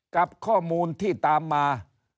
กับข้อมูลที่ตามมา